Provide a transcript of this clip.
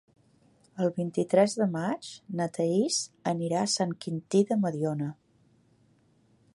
El vint-i-tres de maig na Thaís anirà a Sant Quintí de Mediona.